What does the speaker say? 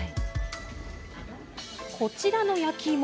こちらの焼きいも。